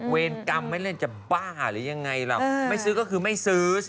เวรกรรมไม่เล่นจะบ้าหรือยังไงล่ะไม่ซื้อก็คือไม่ซื้อสิ